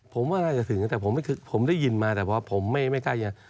ผมว่าน่าจะถึงแต่ผมได้ยินมาแต่ว่าผมไม่กล้าจะ